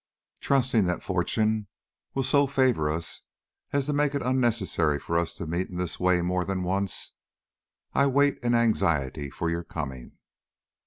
"Trusting that fortune will so favor us as to make it unnecessary for us to meet in this way more than once, I wait in anxiety for your coming.